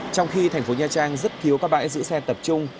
trong khi thành phố nha trang rất thiếu các bãi giữ xe tập trung